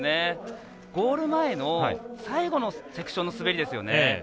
ゴール前の最後のセクションの滑りですよね。